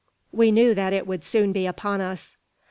We knew that it would soon be upon us.